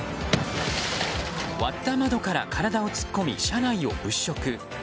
割った窓から体を突っ込み車内を物色。